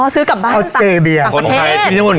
อ๋อซื้อกลับบ้านต่างประเทศ